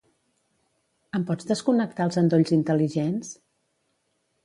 Em pots desconnectar els endolls intel·ligents?